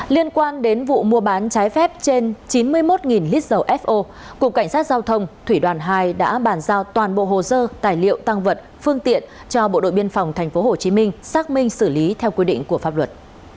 liên quan đến vụ mua bán trái phép trên chín mươi một lít dầu fo cục cảnh sát giao thông thủy đoàn hai đã bàn giao toàn bộ hồ sơ tài liệu tăng vật phương tiện cho bộ đội biên phòng tp hcm xác minh xử lý theo quy định của pháp luật